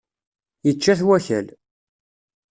Yečča-t wakal.